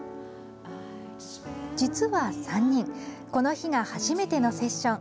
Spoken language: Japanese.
実は３人この日が初めてのセッション。